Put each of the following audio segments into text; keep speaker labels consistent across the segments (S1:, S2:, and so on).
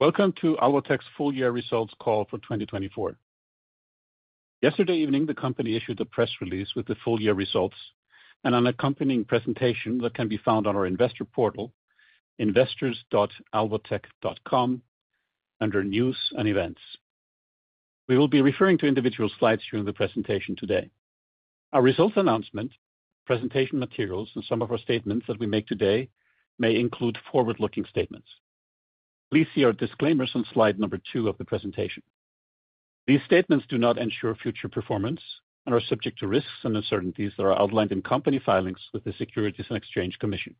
S1: Thank you. Welcome to Alvotech's Full-Year Results Call for 2024. Yesterday evening, the company issued a press release with the full-year results and an accompanying presentation that can be found on our investor portal, investors.alvotech.com, under News and Events. We will be referring to individual slides during the presentation today. Our results announcement, presentation materials, and some of our statements that we make today may include forward-looking statements. Please see our disclaimers on slide number two of the presentation. These statements do not ensure future performance and are subject to risks and uncertainties that are outlined in company filings with the Securities and Exchange Commission.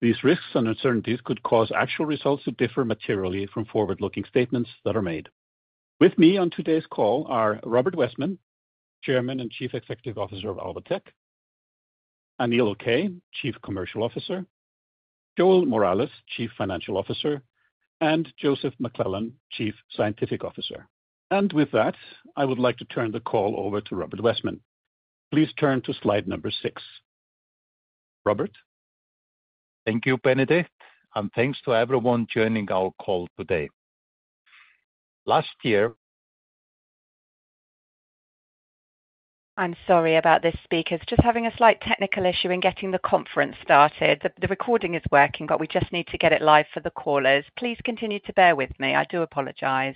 S1: These risks and uncertainties could cause actual results to differ materially from forward-looking statements that are made. With me on today's call are Robert Wessman, Chairman and Chief Executive Officer of Alvotech, Anil Okay, Chief Commercial Officer, Joel Morales, Chief Financial Officer, and Joseph McClellan, Chief Scientific Officer. With that, I would like to turn the call over to Robert Wessman. Please turn to slide number six. Robert?
S2: Thank you, Benedikt, and thanks to everyone joining our call today. Last year.
S3: I'm sorry about this speaker. It's just having a slight technical issue in getting the conference started. The recording is working, but we just need to get it live for the callers. Please continue to bear with me. I do apologize.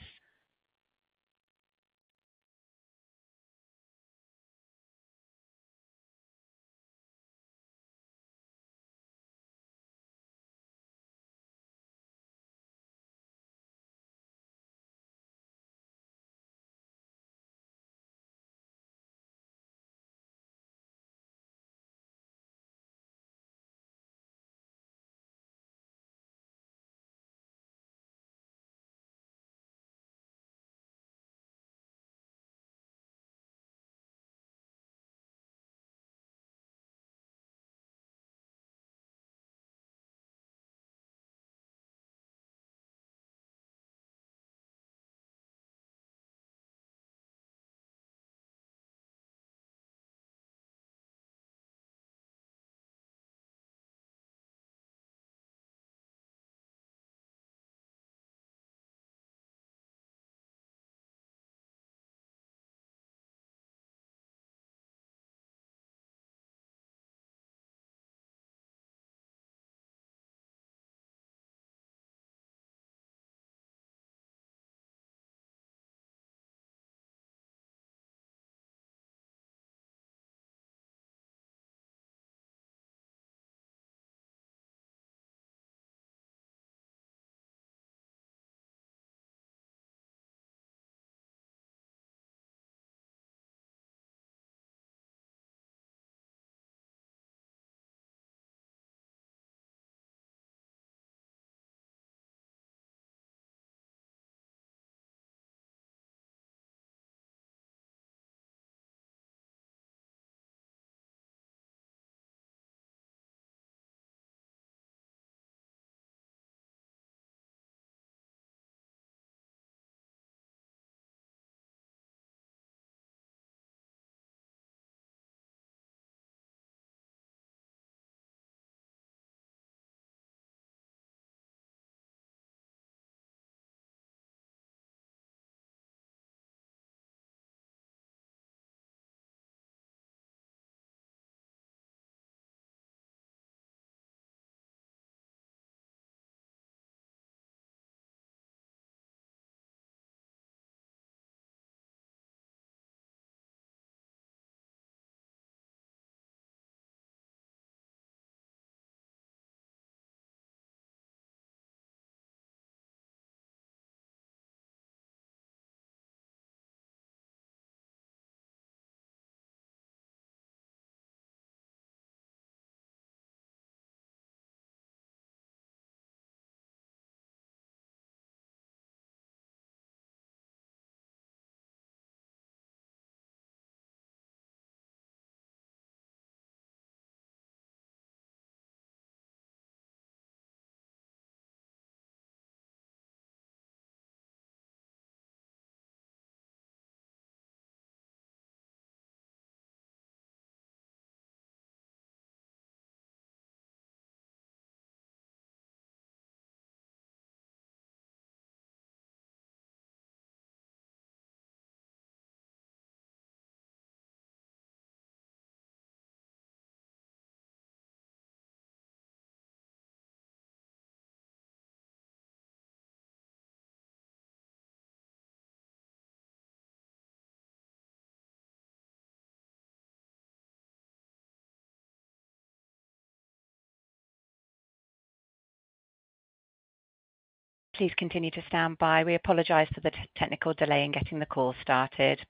S3: Please continue to stand by. We apologize for the technical delay in getting the call started.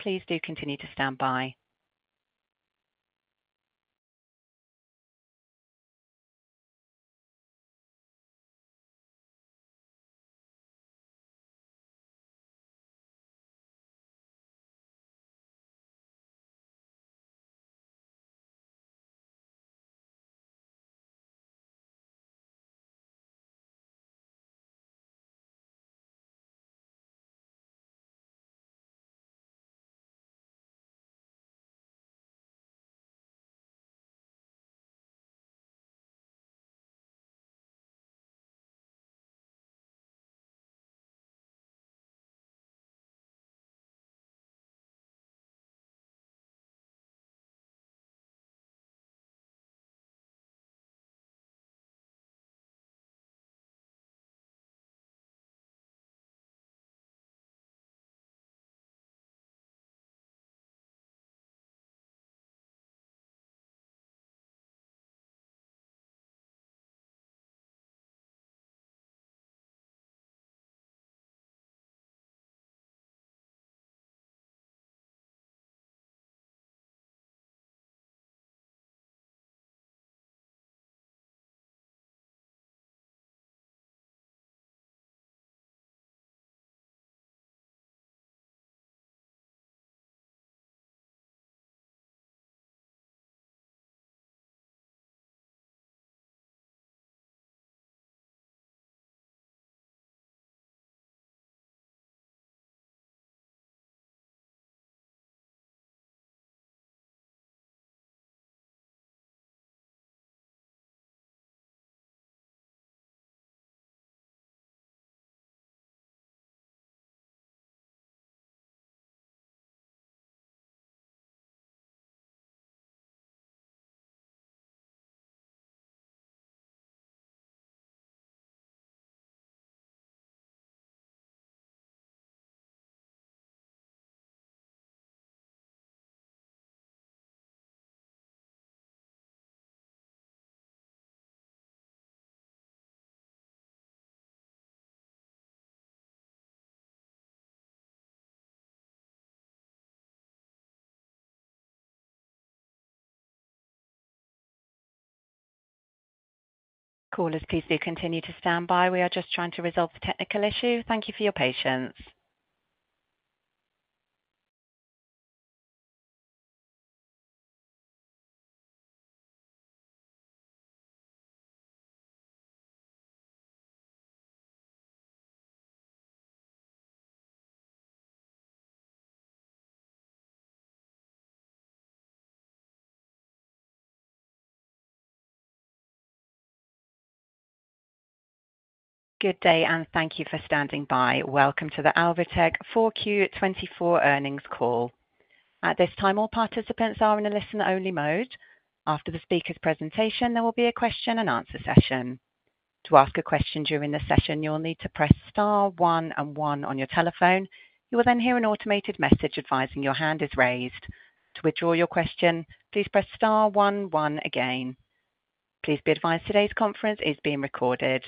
S3: Please do continue to stand by. We are just trying to resolve the technical issue. Thank you for your patience. Good day, and thank you for standing by. Welcome to the Alvotech 4Q 2024 Earnings Call. At this time, all participants are in a listen-only mode. After the speaker's presentation, there will be a question-and-answer session. To ask a question during the session, you'll need to press star one and one on your telephone. You will then hear an automated message advising your hand is raised. To withdraw your question, please press star one, one again. Please be advised today's conference is being recorded.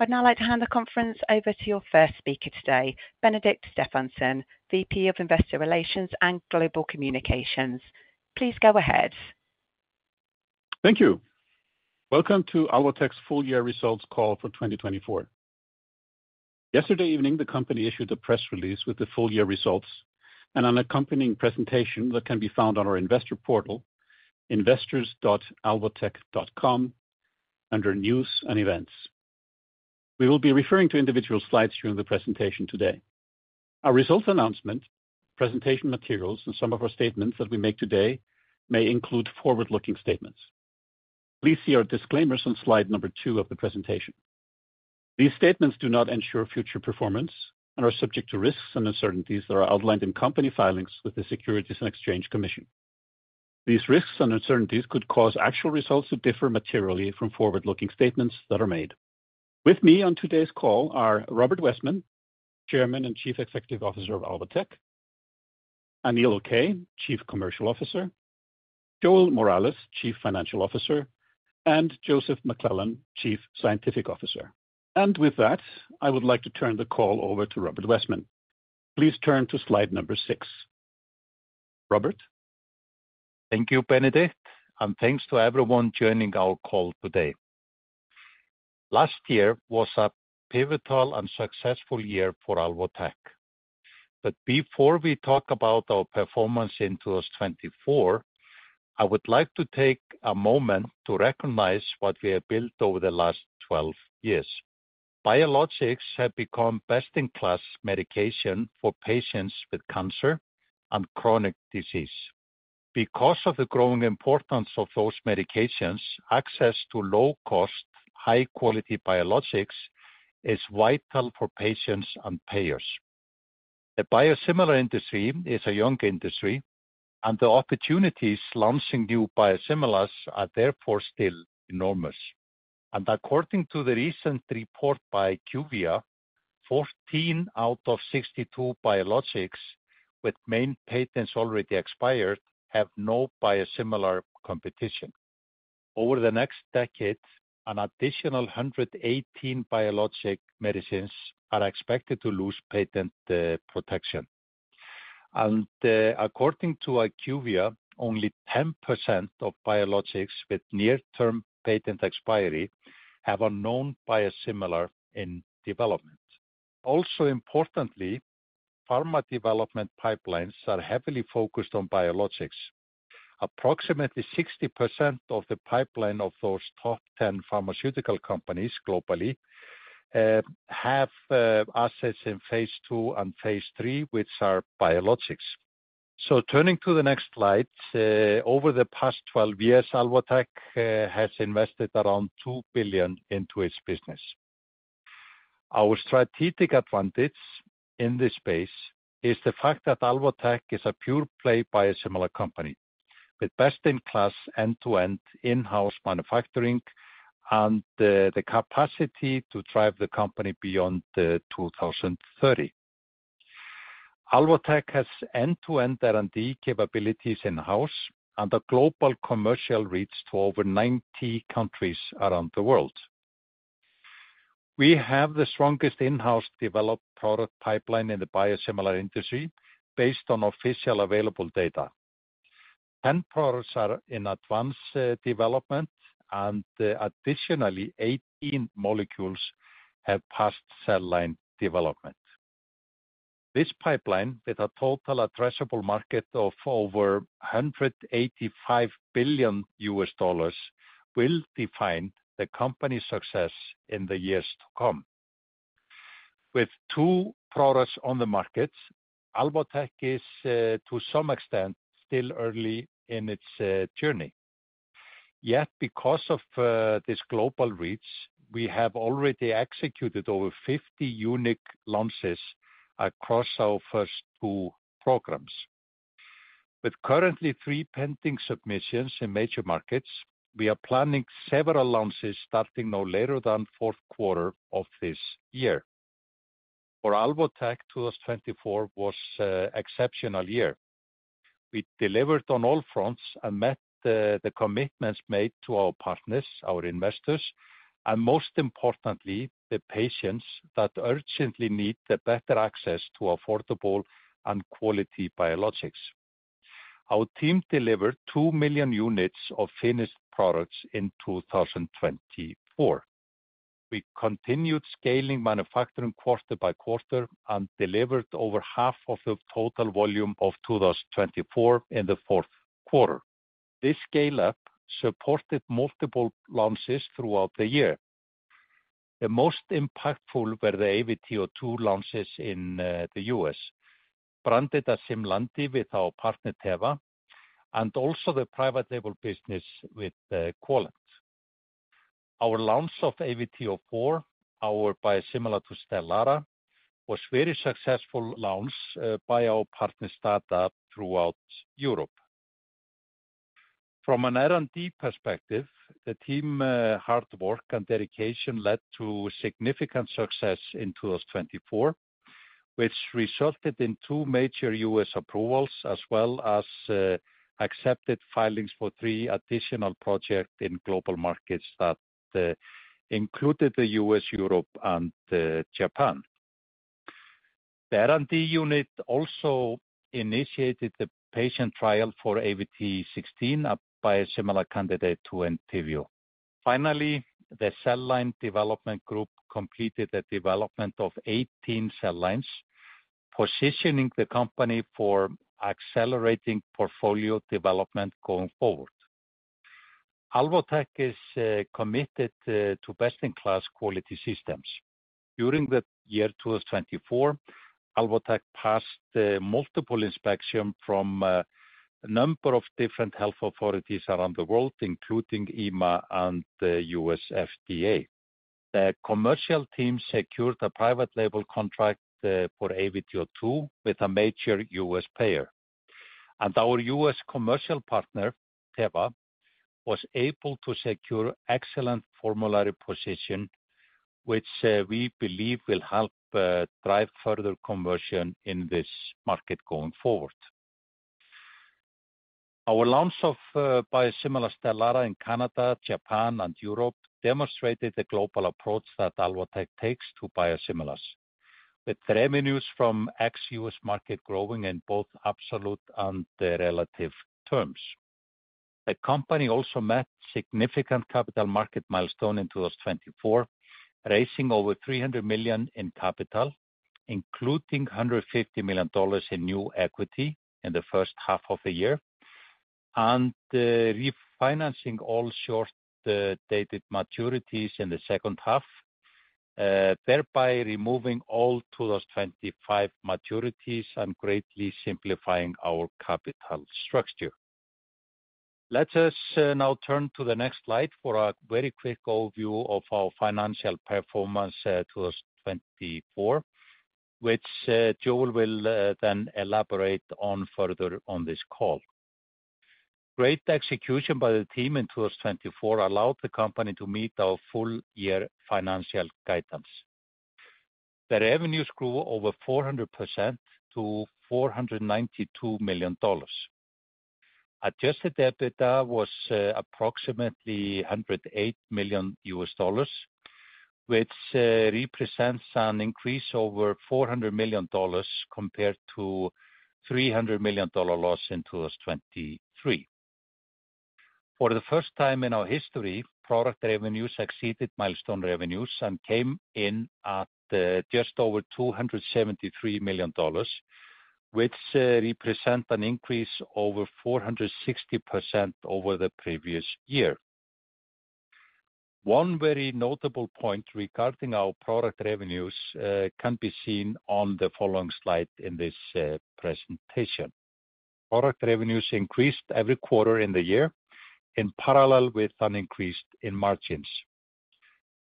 S3: I'd now like to hand the conference over to your first speaker today, Benedikt Stefansson, VP of Investor Relations and Global Communications. Please go ahead.
S1: Thank you. Welcome to Alvotech's Full-year Results Call for 2024. Yesterday evening, the company issued a press release with the full-year results and an accompanying presentation that can be found on our investor portal, investors.alvotech.com, under News and Events. We will be referring to individual slides during the presentation today. Our results announcement, presentation materials, and some of our statements that we make today may include forward-looking statements. Please see our disclaimers on slide number 2 of the presentation. These statements do not ensure future performance and are subject to risks and uncertainties that are outlined in company filings with the Securities and Exchange Commission. These risks and uncertainties could cause actual results to differ materially from forward-looking statements that are made. With me on today's call are Róbert Wessman, Chairman and Chief Executive Officer of Alvotech, Anil Okay, Chief Commercial Officer, Joel Morales, Chief Financial Officer, and Joseph McClellan, Chief Scientific Officer. With that, I would like to turn the call over to Róbert Wessman. Please turn to slide number six. Róbert?
S2: Thank you, Benedikt, and thanks to everyone joining our call today. Last year was a pivotal and successful year for Alvotech. Before we talk about our performance in 2024, I would like to take a moment to recognize what we have built over the last 12 years. Biologics have become best-in-class medication for patients with cancer and chronic disease. Because of the growing importance of those medications, access to low-cost, high-quality biologics is vital for patients and payers. The biosimilar industry is a young industry, and the opportunities launching new biosimilars are therefore still enormous. According to the recent report by IQVIA, 14 out of 62 biologics with main patents already expired have no biosimilar competition. Over the next decade, an additional 118 biologic medicines are expected to lose patent protection. According to IQVIA, only 10% of biologics with near-term patent expiry have a known biosimilar in development. Also, importantly, pharma development pipelines are heavily focused on biologics. Approximately 60% of the pipeline of those top 10 pharmaceutical companies globally have assets in phase two and phase three, which are biologics. Turning to the next slide, over the past 12 years, Alvotech has invested around $2 billion into its business. Our strategic advantage in this space is the fact that Alvotech is a pure-play biosimilar company with best-in-class end-to-end in-house manufacturing and the capacity to drive the company beyond 2030. Alvotech has end-to-end R&D capabilities in-house, and the global commercial reach to over 90 countries around the world. We have the strongest in-house developed product pipeline in the biosimilar industry based on official available data. Ten products are in advanced development, and additionally, 18 molecules have passed cell line development. This pipeline, with a total addressable market of over $185 billion, will define the company's success in the years to come. With two products on the market, Alvotech is, to some extent, still early in its journey. Yet, because of this global reach, we have already executed over 50 unique launches across our first two programs. With currently three pending submissions in major markets, we are planning several launches starting no later than the fourth quarter of this year. For Alvotech, 2024 was an exceptional year. We delivered on all fronts and met the commitments made to our partners, our investors, and most importantly, the patients that urgently need better access to affordable and quality biologics. Our team delivered 2 million units of finished products in 2024. We continued scaling manufacturing quarter by quarter and delivered over half of the total volume of 2024 in the fourth quarter. This scale-up supported multiple launches throughout the year. The most impactful were the AVT02 launches in the U.S., branded as Simlandi with our partner Teva, and also the private label business with Quallent. Our launch of AVT04, our biosimilar to Stelara, was a very successful launch by our partner Stada throughout Europe. From an R&D perspective, the team's hard work and dedication led to significant success in 2024, which resulted in two major U.S. approvals as well as accepted filings for three additional projects in global markets that included the US, Europe, and Japan. The R&D unit also initiated the patient trial for AVT16, a biosimilar candidate to Entyvio. Finally, the cell line development group completed the development of 18 cell lines, positioning the company for accelerating portfolio development going forward. Alvotech is committed to best-in-class quality systems. During the year 2024, Alvotech passed multiple inspections from a number of different health authorities around the world, including EMA and U.S. FDA. The commercial team secured a private label contract for AVT02 with a major U.S. payer. Our U.S. commercial partner, Teva, was able to secure an excellent formulary position, which we believe will help drive further conversion in this market going forward. Our launch of biosimilar Stelara in Canada, Japan, and Europe demonstrated the global approach that Alvotech takes to biosimilars, with revenues from ex-U.S. market growing in both absolute and relative terms. The company also met a significant capital market milestone in 2024, raising over $300 million in capital, including $150 million in new equity in the first half of the year, and refinancing all short-dated maturities in the second half, thereby removing all 2025 maturities and greatly simplifying our capital structure. Let us now turn to the next slide for a very quick overview of our financial performance 2024, which Joel will then elaborate on further on this call. Great execution by the team in 2024 allowed the company to meet our full-year financial guidance. The revenues grew over 400% to $492 million. Adjusted EBITDA was approximately $108 million, which represents an increase of over $400 million compared to a $300 million loss in 2023. For the first time in our history, product revenues exceeded milestone revenues and came in at just over $273 million, which represents an increase of over 460% over the previous year. One very notable point regarding our product revenues can be seen on the following slide in this presentation. Product revenues increased every quarter in the year in parallel with an increase in margins.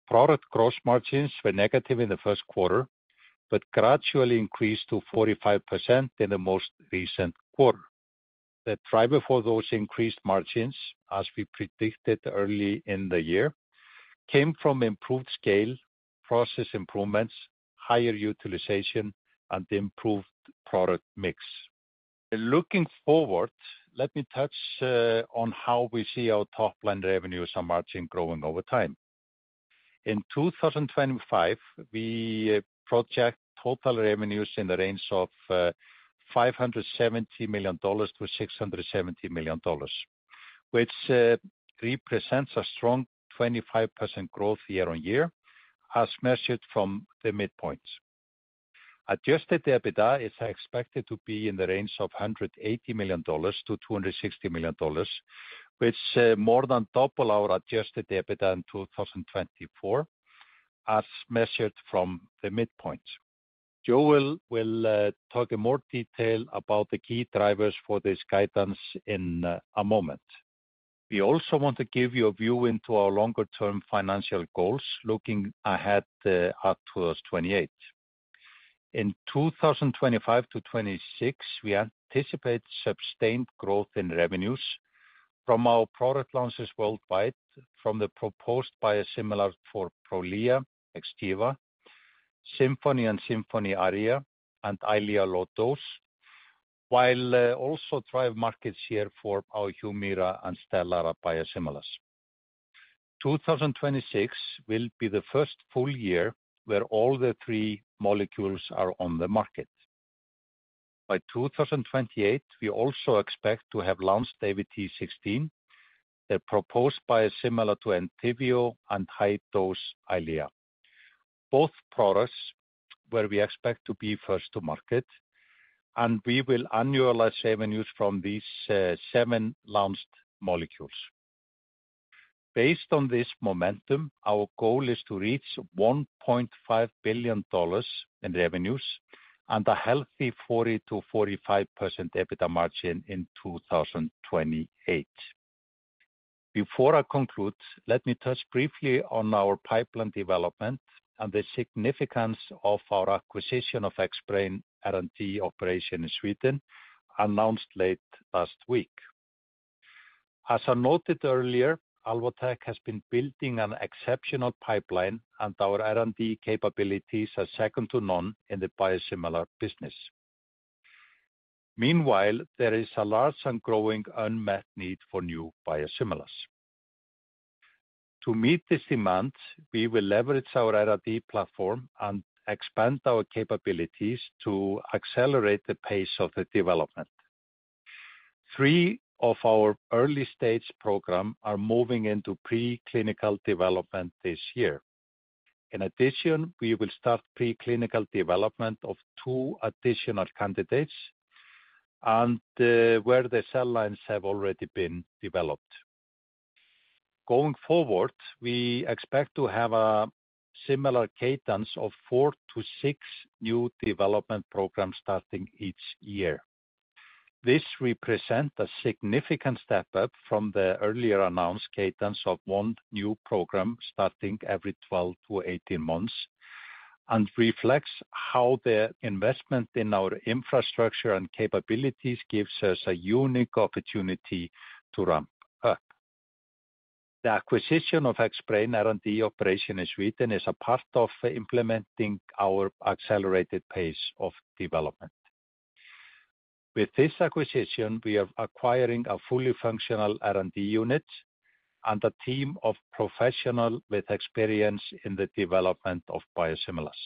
S2: Product gross margins were negative in the first quarter but gradually increased to 45% in the most recent quarter. The driver for those increased margins, as we predicted early in the year, came from improved scale, process improvements, higher utilization, and improved product mix. Looking forward, let me touch on how we see our top-line revenues and margins growing over time. In 2025, we project total revenues in the range of $570 million-$670 million, which represents a strong 25% growth year-on-year as measured from the midpoint. Adjusted EBITDA is expected to be in the range of $180 million-$260 million, which more than doubled our adjusted EBITDA in 2024 as measured from the midpoint. Joel will talk in more detail about the key drivers for this guidance in a moment. We also want to give you a view into our longer-term financial goals looking ahead at 2028. In 2025 to 2026, we anticipate sustained growth in revenues from our product launches worldwide from the proposed biosimilars for Prolia, Xgeva, Simponi and Simponi Aria, and Eylea Low-Dose, while also driving market share for our Humira and Stelara biosimilars. 2026 will be the first full year where all the three molecules are on the market. By 2028, we also expect to have launched AVT16, the proposed biosimilar to Entyvio and high-dose Eylea. Both products will be expected to be first to market, and we will annualize revenues from these seven launched molecules. Based on this momentum, our goal is to reach $1.5 billion in revenues and a healthy 40%-45% EBITDA margin in 2028. Before I conclude, let me touch briefly on our pipeline development and the significance of our acquisition of Xbrane R&D operations in Sweden, announced late last week. As I noted earlier, Alvotech has been building an exceptional pipeline, and our R&D capabilities are second to none in the biosimilar business. Meanwhile, there is a large and growing unmet need for new biosimilars. To meet this demand, we will leverage our R&D platform and expand our capabilities to accelerate the pace of the development. Three of our early-stage programs are moving into preclinical development this year. In addition, we will start preclinical development of two additional candidates where the cell lines have already been developed. Going forward, we expect to have a similar cadence of four to six new development programs starting each year. This represents a significant step up from the earlier announced cadence of one new program starting every 12 to 18 months and reflects how the investment in our infrastructure and capabilities gives us a unique opportunity to ramp up. The acquisition of Xbrane R&D operations in Sweden is a part of implementing our accelerated pace of development. With this acquisition, we are acquiring a fully functional R&D unit and a team of professionals with experience in the development of biosimilars.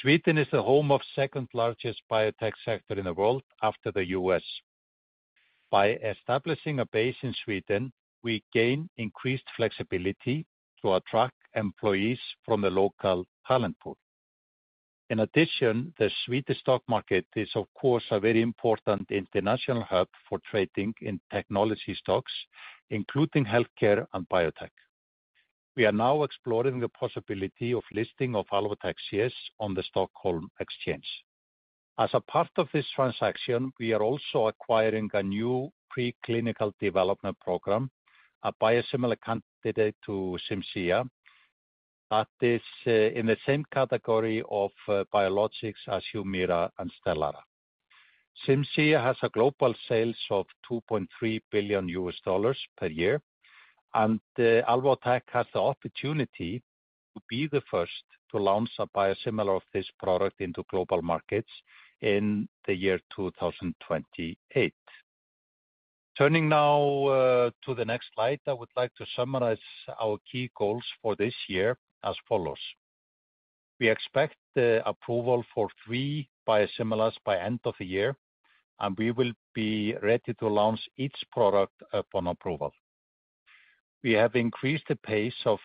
S2: Sweden is the home of the second-largest biotech sector in the world after the U.S.. By establishing a base in Sweden, we gain increased flexibility to attract employees from the local talent pool. In addition, the Swedish stock market is, of course, a very important international hub for trading in technology stocks, including healthcare and biotech. We are now exploring the possibility of listing Alvotech's shares on the Stockholm Exchange. As a part of this transaction, we are also acquiring a new preclinical development program, a biosimilar candidate to Cimzia that is in the same category of biologics as Humira and Stelara. Cimzia has a global sales of $2.3 billion per year, and Alvotech has the opportunity to be the first to launch a biosimilar of this product into global markets in the year 2028. Turning now to the next slide, I would like to summarize our key goals for this year as follows. We expect approval for three biosimilars by the end of the year, and we will be ready to launch each product upon approval. We have increased the pace of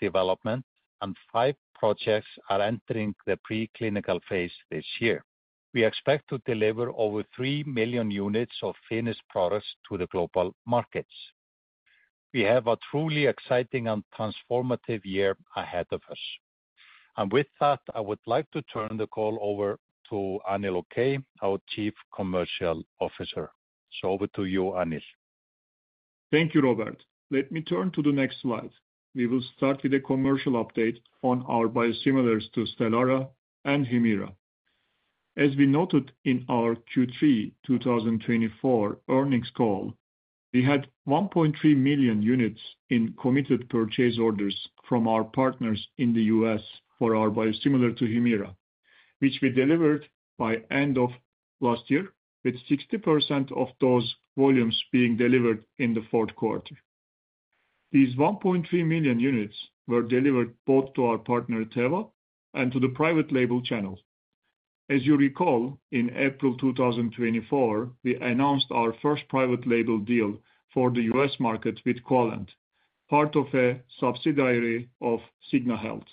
S2: development, and five projects are entering the preclinical phase this year. We expect to deliver over 3 million units of finished products to the global markets. We have a truly exciting and transformative year ahead of us. I would like to turn the call over to Anil Okay, our Chief Commercial Officer. Over to you, Anil.
S4: Thank you, Róbert. Let me turn to the next slide. We will start with a commercial update on our biosimilars to Stelara and Humira. As we noted in our Q3 2024 earnings call, we had 1.3 million units in committed purchase orders from our partners in the U.S. for our biosimilar to Humira, which we delivered by the end of last year, with 60% of those volumes being delivered in the fourth quarter. These 1.3 million units were delivered both to our partner Teva and to the private label channel. As you recall, in April 2024, we announced our first private label deal for the U.S. market with Quallent, part of a subsidiary of Cigna Health.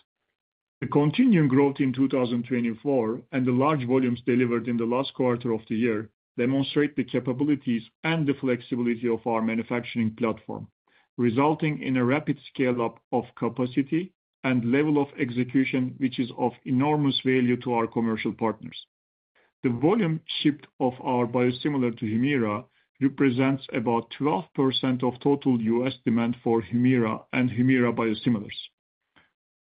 S4: The continuing growth in 2024 and the large volumes delivered in the last quarter of the year demonstrate the capabilities and the flexibility of our manufacturing platform, resulting in a rapid scale-up of capacity and level of execution, which is of enormous value to our commercial partners. The volume shipped of our biosimilar to Humira represents about 12% of total U.S. demand for Humira and Humira biosimilars.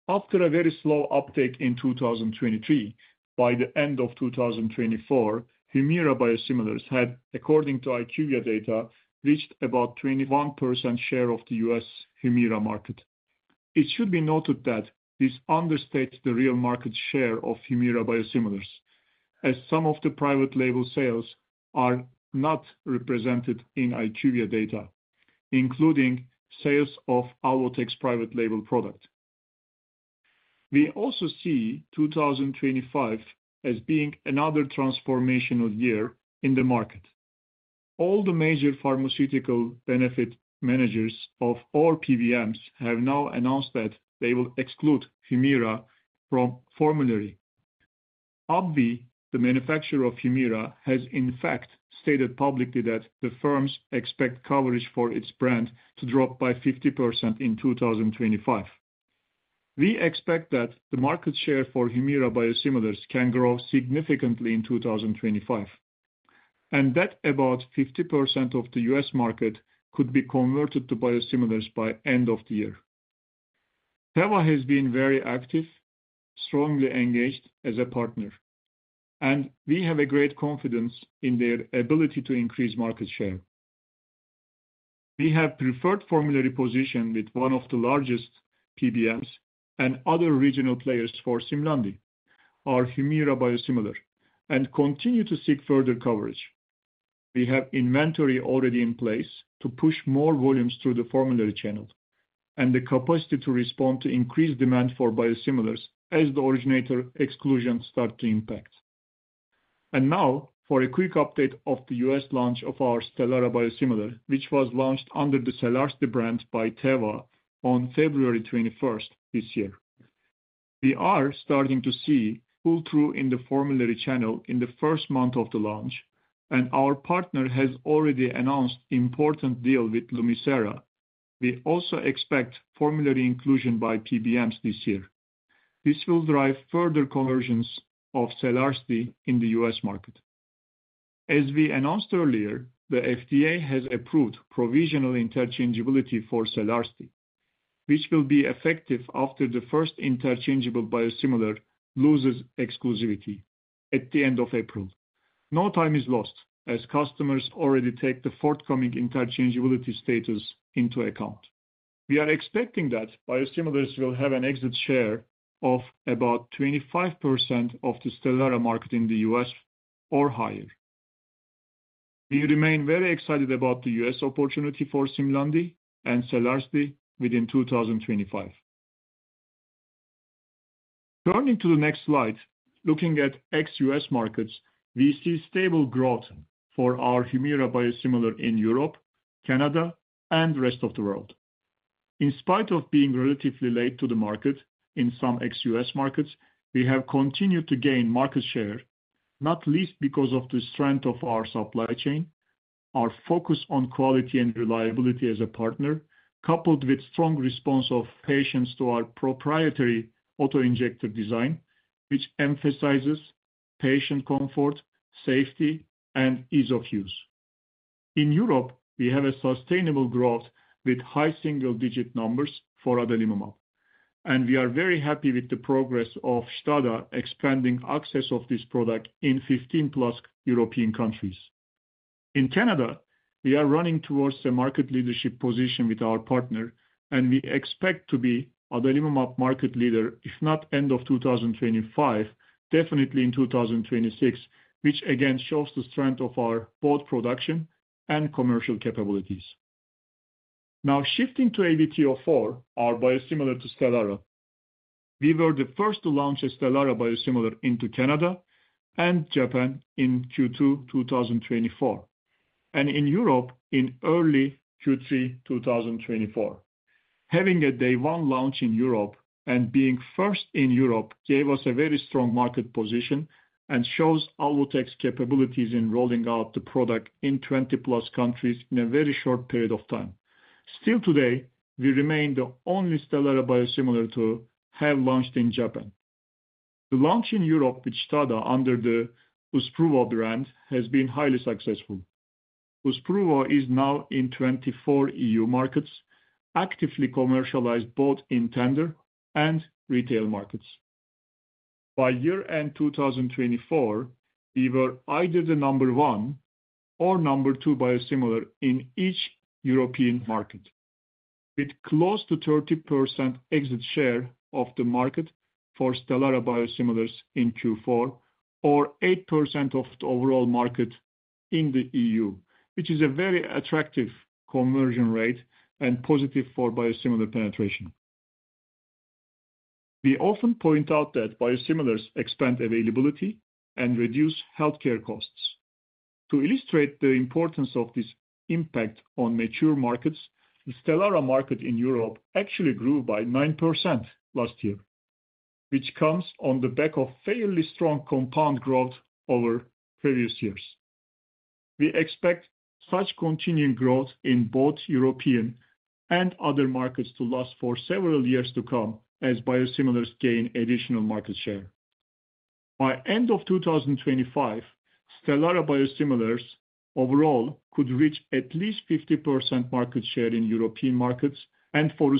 S4: After a very slow uptake in 2023, by the end of 2024, Humira biosimilars had, according to IQVIA data, reached about 21% share of the U.S. Humira market. It should be noted that this understates the real market share of Humira biosimilars, as some of the private label sales are not represented in IQVIA data, including sales of Alvotech's private label product. We also see 2025 as being another transformational year in the market. All the major pharmaceutical benefit managers of all PBMs have now announced that they will exclude Humira from formulary. AbbVie, the manufacturer of Humira, has in fact stated publicly that the firm's expected coverage for its brand to drop by 50% in 2025. We expect that the market share for Humira biosimilars can grow significantly in 2025, and that about 50% of the U.S. market could be converted to biosimilars by the end of the year. Teva has been very active, strongly engaged as a partner, and we have great confidence in their ability to increase market share. We have preferred formulary position with one of the largest PBMs and other regional players for Simlandi, our Humira biosimilar, and continue to seek further coverage. We have inventory already in place to push more volumes through the formulary channel and the capacity to respond to increased demand for biosimilars as the originator exclusions start to impact. For a quick update of the U.S. launch of our Stelara biosimilar, which was launched under the SELARSDI brand by Teva on February 21st this year. We are starting to see pull-through in the formulary channel in the first month of the launch, and our partner has already announced an important deal with Lumicera. We also expect formulary inclusion by PBMs this year. This will drive further conversions of SELARSDI in the U.S. market. As we announced earlier, the FDA has approved provisional interchangeability for SELARSDI, which will be effective after the first interchangeable biosimilar loses exclusivity at the end of April. No time is lost, as customers already take the forthcoming interchangeability status into account. We are expecting that biosimilars will have an exit share of about 25% of the Stelara market in the US or higher. We remain very excited about the U.S. opportunity for Simlandi and SELARSDI within 2025. Turning to the next slide, looking at ex-U.S. markets, we see stable growth for our Humira biosimilar in Europe, Canada, and the rest of the world. In spite of being relatively late to the market in some ex-U.S. markets, we have continued to gain market share, not least because of the strength of our supply chain, our focus on quality and reliability as a partner, coupled with a strong response of patients to our proprietary autoinjector design, which emphasizes patient comfort, safety, and ease of use. In Europe, we have sustainable growth with high single-digit numbers for adalimumab, and we are very happy with the progress of Stada expanding access to this product in 15 plus European countries. In Canada, we are running towards a market leadership position with our partner, and we expect to be adalimumab market leader, if not the end of 2025, definitely in 2026, which again shows the strength of our both production and commercial capabilities. Now, shifting to AVT04, our biosimilar to Stelara. We were the first to launch a Stelara biosimilar into Canada and Japan in Q2 2024, and in Europe in early Q3 2024. Having a day-one launch in Europe and being first in Europe gave us a very strong market position and shows Alvotech's capabilities in rolling out the product in 20 plus countries in a very short period of time. Still today, we remain the only Stelara biosimilar to have launched in Japan. The launch in Europe with Stada under the Uzpruvo brand has been highly successful. Uzpruvo is now in 24 EU markets, actively commercialized both in tender and retail markets. By year-end 2024, we were either the number one or number two biosimilar in each European market, with close to 30% exit share of the market for Stelara biosimilars in Q4, or 8% of the overall market in the EU, which is a very attractive conversion rate and positive for biosimilar penetration. We often point out that biosimilars expand availability and reduce healthcare costs. To illustrate the importance of this impact on mature markets, the Stelara market in Europe actually grew by 9% last year, which comes on the back of fairly strong compound growth over previous years. We expect such continuing growth in both European and other markets to last for several years to come as biosimilars gain additional market share. By the end of 2025, Stelara biosimilars overall could reach at least 50% market share in European markets, and for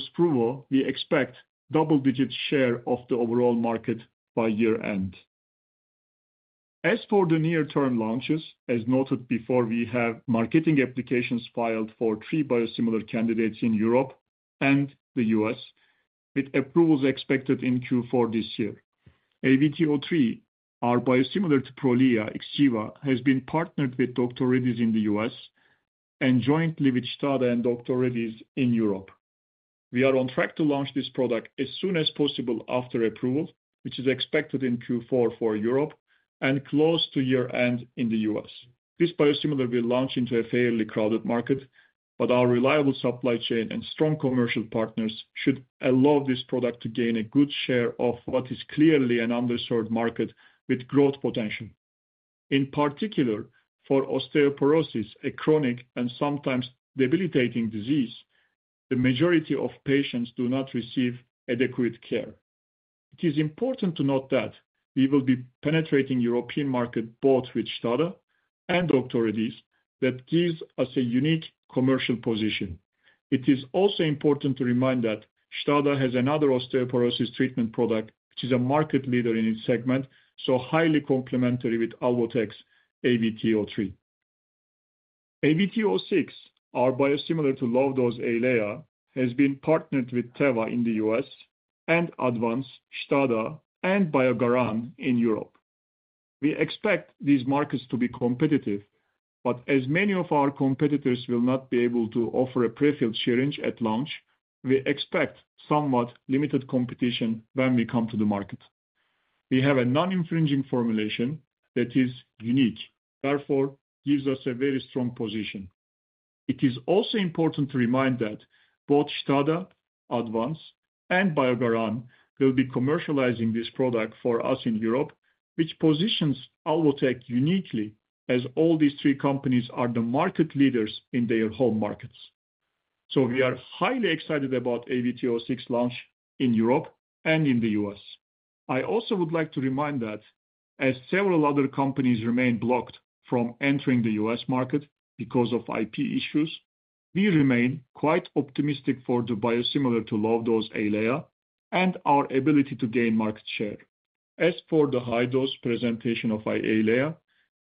S4: Uzpruvo In particular, for osteoporosis, a chronic and sometimes debilitating disease, the majority of patients do not receive adequate care. It is important to note that we will be penetrating the European market both with Stada and Dr. Reddy's, which gives us a unique commercial position. It is also important to remind that Stada has another osteoporosis treatment product, which is a market leader in its segment, so highly complementary with Alvotech's AVT03. AVT06, our biosimilar to low-dose Eylea, has been partnered with Teva in the U.S. and Advanz, Stada, and Biogaran in Europe. We expect these markets to be competitive, but as many of our competitors will not be able to offer a prefilled syringe at launch, we expect somewhat limited competition when we come to the market. We have a non-infringing formulation that is unique, therefore gives us a very strong position. It is also important to remind that both Stada, Advanz, and Biogaran will be commercializing this product for us in Europe, which positions Alvotech uniquely as all these three companies are the market leaders in their home markets. We are highly excited about AVT06's launch in Europe and in the U.S.. I also would like to remind that, as several other companies remain blocked from entering the U.S. market because of IP issues, we remain quite optimistic for the biosimilar to low-dose Eylea and our ability to gain market share. As for the high-dose presentation of Eylea,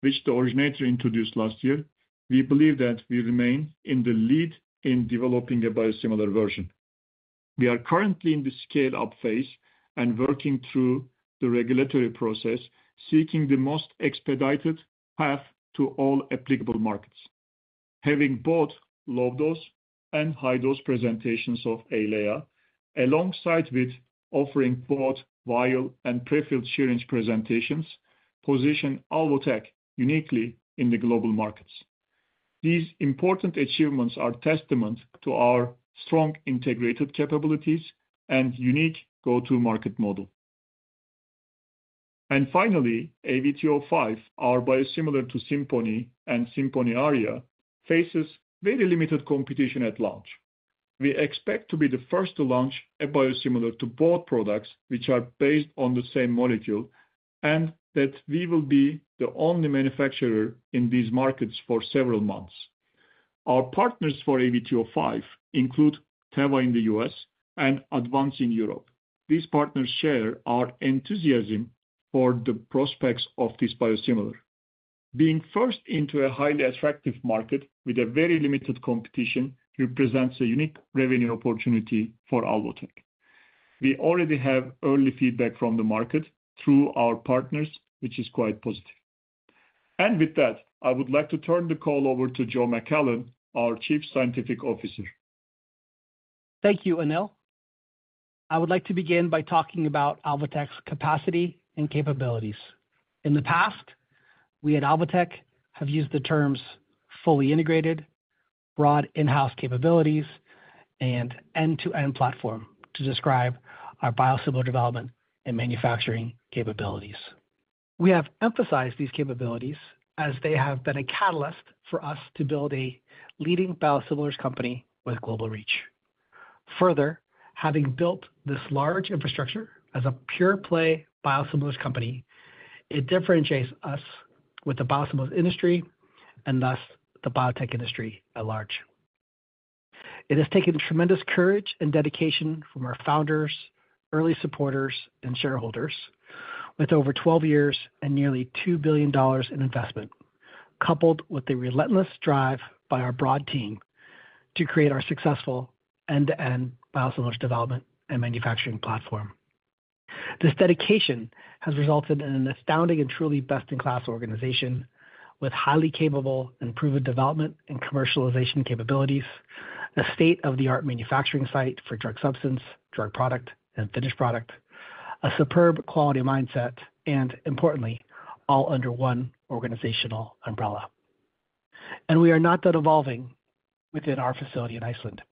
S4: which the originator introduced last year, we believe that we remain in the lead in developing a biosimilar version. We are currently in the scale-up phase and working through the regulatory process, seeking the most expedited path to all applicable markets. Having both low-dose and high-dose presentations of Eylea, alongside offering both vial and prefilled syringe presentations, positions Alvotech uniquely in the global markets. These important achievements are a testament to our strong integrated capabilities and unique go-to-market model. Finally, AVT05, our biosimilar to Simponi and Simponi Aria, faces very limited competition at launch. We expect to be the first to launch a biosimilar to both products, which are based on the same molecule, and that we will be the only manufacturer in these markets for several months. Our partners for AVT05 include Teva in the U.S. and Advanz in Europe. These partners share our enthusiasm for the prospects of this biosimilar. Being first into a highly attractive market with very limited competition represents a unique revenue opportunity for Alvotech. We already have early feedback from the market through our partners, which is quite positive. With that, I would like to turn the call over to Joseph McClellan, our Chief Scientific Officer.
S5: Thank you, Anil. I would like to begin by talking about Alvotech's capacity and capabilities. In the past, we at Alvotech have used the terms fully integrated, broad in-house capabilities, and end-to-end platform to describe our biosimilar development and manufacturing capabilities. We have emphasized these capabilities as they have been a catalyst for us to build a leading biosimilars company with global reach. Further, having built this large infrastructure as a pure-play biosimilars company, it differentiates us within the biosimilars industry and thus the biotech industry at large. It has taken tremendous courage and dedication from our founders, early supporters, and shareholders, with over 12 years and nearly $2 billion in investment, coupled with the relentless drive by our broad team to create our successful end-to-end biosimilars development and manufacturing platform. This dedication has resulted in an astounding and truly best-in-class organization with highly capable and proven development and commercialization capabilities, a state-of-the-art manufacturing site for drug substance, drug product, and finished product, a superb quality mindset, and importantly, all under one organizational umbrella. We are not done evolving within our facility in Iceland.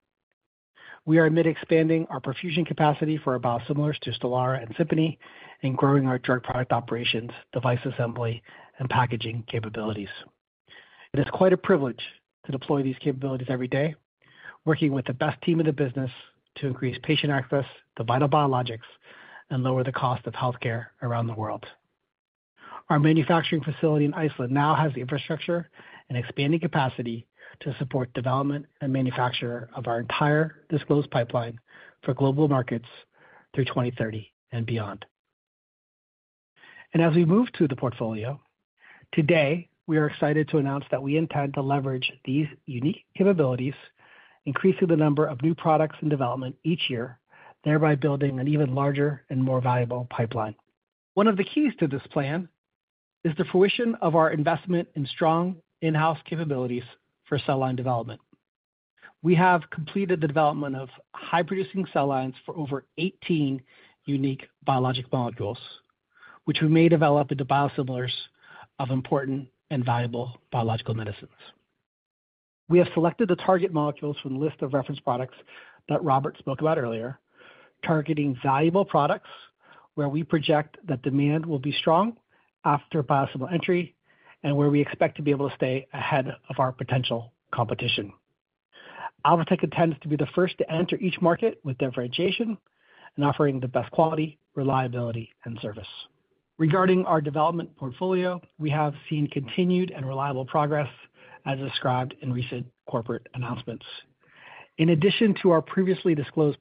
S5: We are mid-expanding our perfusion capacity for our biosimilars to Stelara and Simponi and growing our drug product operations, device assembly, and packaging capabilities. It is quite a privilege to deploy these capabilities every day, working with the best team in the business to increase patient access to vital biologics and lower the cost of healthcare around the world. Our manufacturing facility in Iceland now has the infrastructure and expanding capacity to support development and manufacture of our entire disclosed pipeline for global markets through 2030 and beyond. As we move through the portfolio, today, we are excited to announce that we intend to leverage these unique capabilities, increasing the number of new products in development each year, thereby building an even larger and more valuable pipeline. One of the keys to this plan is the fruition of our investment in strong in-house capabilities for cell line development. We have completed the development of high-producing cell lines for over 18 unique biologic modules, which we may develop into biosimilars of important and valuable biological medicines. We have selected the target molecules from the list of reference products that Robert spoke about earlier, targeting valuable products where we project that demand will be strong after biosimilar entry and where we expect to be able to stay ahead of our potential competition. Alvotech intends to be the first to enter each market with differentiation and offering the best quality, reliability, and service. Regarding our development portfolio, we have seen continued and reliable progress as described in recent corporate announcements. In addition to our previously disclosed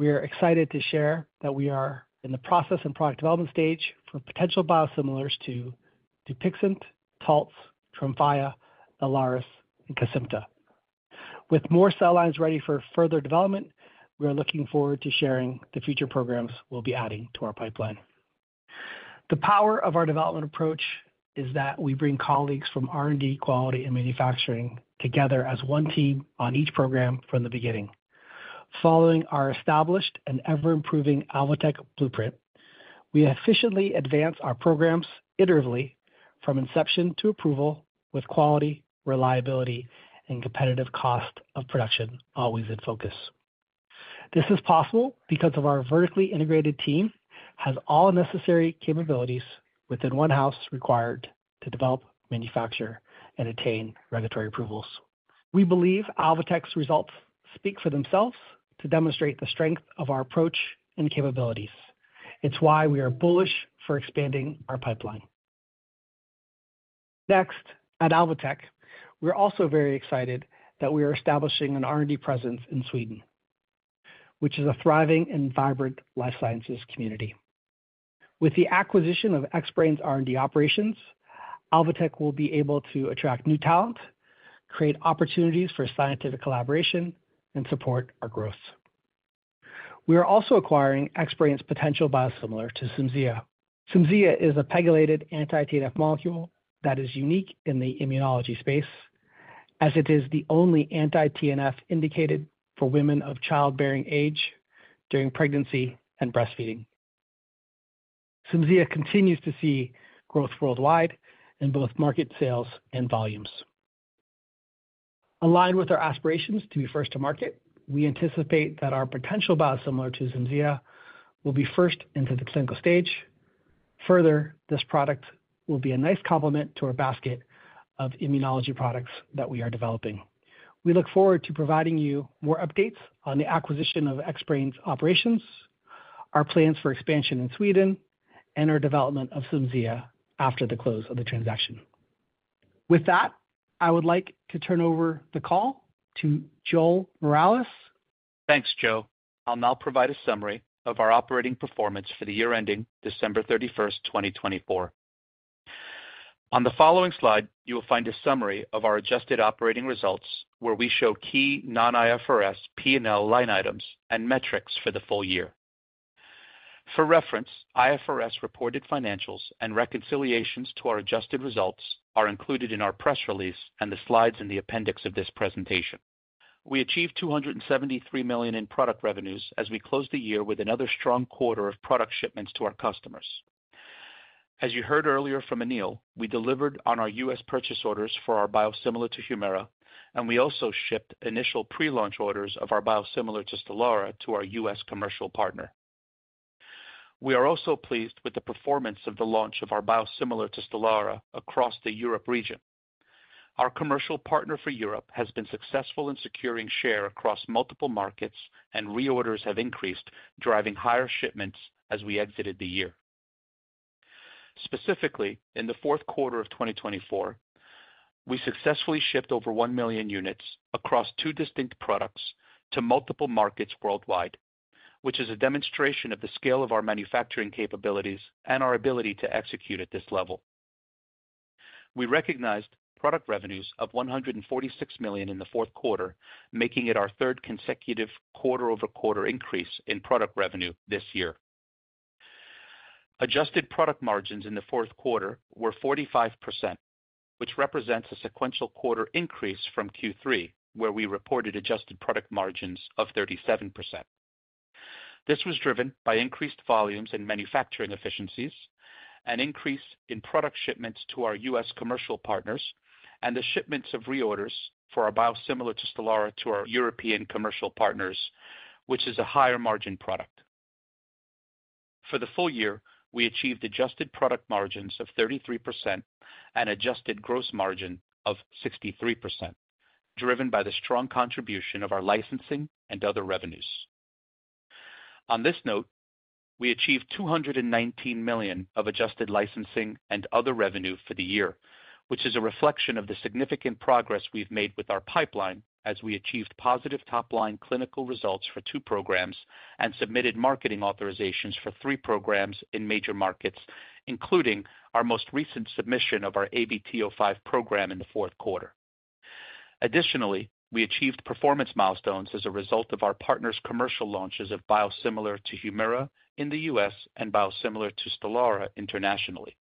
S5: pipeline, we are excited to share that we are in the process and product development stage for potential biosimilars to Dupixent, Taltz, Tremfya, Eylea, and Kesimpta. With more cell lines ready for further development, we are looking forward to sharing the future programs we will be adding to our pipeline. The power of our development approach is that we bring colleagues from R&D, quality, and manufacturing together as one team on each program from the beginning. Following our established and ever-improving Alvotech blueprint, we efficiently advance our programs iteratively from inception to approval with quality, reliability, and competitive cost of production always in focus. This is possible because our vertically integrated team has all necessary capabilities within one house required to develop, manufacture, and attain regulatory approvals. We believe Alvotech's results speak for themselves to demonstrate the strength of our approach and capabilities. It's why we are bullish for expanding our pipeline. Next, at Alvotech, we're also very excited that we are establishing an R&D presence in Sweden, which is a thriving and vibrant life sciences community. With the acquisition of Xbrane's R&D operations, Alvotech will be able to attract new talent, create opportunities for scientific collaboration, and support our growth. We are also acquiring Xbrane's potential biosimilar to Cimzia. Cimzia is a pegylated anti-TNF molecule that is unique in the immunology space, as it is the only anti-TNF indicated for women of childbearing age during pregnancy and breastfeeding. Cimzia continues to see growth worldwide in both market sales and volumes. Aligned with our aspirations to be first to market, we anticipate that our potential biosimilar to Cimzia will be first into the clinical stage. Further, this product will be a nice complement to our basket of immunology products that we are developing. We look forward to providing you more updates on the acquisition of Xbrane's operations, our plans for expansion in Sweden, and our development of Cimzia after the close of the transaction. With that, I would like to turn over the call to Joel Morales.
S6: Thanks, Joe. I'll now provide a summary of our operating performance for the year ending December 31, 2024. On the following slide, you will find a summary of our adjusted operating results, where we show key non-IFRS P&L line items and metrics for the full year. For reference, IFRS reported financials and reconciliations to our adjusted results are included in our press release and the slides in the appendix of this presentation. We achieved $273 million in product revenues as we closed the year with another strong quarter of product shipments to our customers. As you heard earlier from Anil, we delivered on our U.S. purchase orders for our biosimilar to Humira, and we also shipped initial pre-launch orders of our biosimilar to Stelara to our U.S. commercial partner. We are also pleased with the performance of the launch of our biosimilar to Stelara across the Europe region. Our commercial partner for Europe has been successful in securing share across multiple markets, and reorders have increased, driving higher shipments as we exited the year. Specifically, in the fourth quarter of 2024, we successfully shipped over 1 million units across two distinct products to multiple markets worldwide, which is a demonstration of the scale of our manufacturing capabilities and our ability to execute at this level. We recognized product revenues of $146 million in the fourth quarter, making it our third consecutive quarter-over-quarter increase in product revenue this year. Adjusted product margins in the fourth quarter were 45%, which represents a sequential quarter increase from Q3, where we reported adjusted product margins of 37%. This was driven by increased volumes and manufacturing efficiencies, an increase in product shipments to our U.S. commercial partners, and the shipments of reorders for our biosimilar to Stelara to our European commercial partners, which is a higher margin product. For the full year, we achieved adjusted product margins of 33% and adjusted gross margin of 63%, driven by the strong contribution of our licensing and other revenues. On this note, we achieved $219 million of adjusted licensing and other revenue for the year, which is a reflection of the significant progress we've made with our pipeline as we achieved positive top-line clinical results for two programs and submitted marketing authorizations for three programs in major markets, including our most recent submission of our AVT05 program in the fourth quarter. Additionally, we achieved performance milestones as a result of our partners' commercial launches of biosimilar to Humira in the U.S. and biosimilar to Stelara internationally.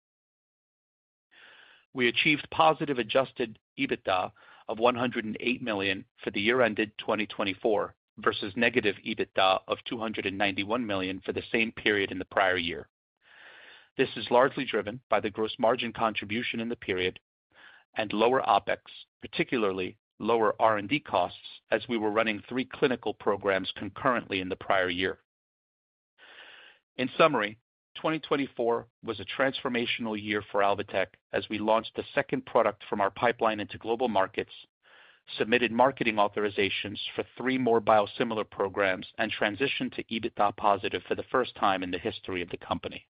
S6: We achieved positive adjusted EBITDA of $108 million for the year-ended 2024 versus negative EBITDA of $291 million for the same period in the prior year. This is largely driven by the gross margin contribution in the period and lower OpEx, particularly lower R&D costs, as we were running three clinical programs concurrently in the prior year. In summary, 2024 was a transformational year for Alvotech as we launched a second product from our pipeline into global markets, submitted marketing authorizations for three more biosimilar programs, and transitioned to EBITDA positive for the first time in the history of the company.